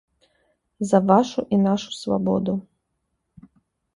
За вашу і нашу свабоду!